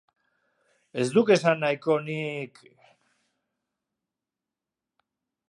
Ez du esan nahiko nik...